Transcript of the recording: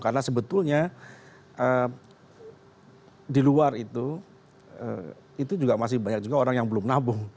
karena sebetulnya di luar itu itu juga masih banyak juga orang yang belum menabung